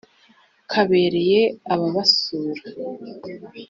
kabereye ababasuura